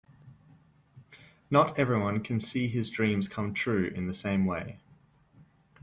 Not everyone can see his dreams come true in the same way.